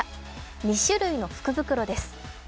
２種類の福袋です。